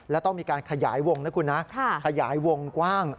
แล้วต้องมีการขยายวงนะคุณนะขยายวงกว้าง